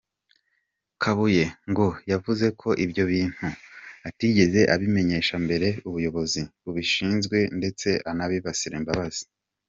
Kabuye ngo yavuze ko ibyo bintu atigeze abimenyesha mbere ubuyobozi bubishinzwe ndetse anabisabira imbabazi.